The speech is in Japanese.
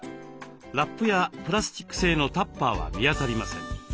ラップやプラスチック製のタッパーは見当たりません。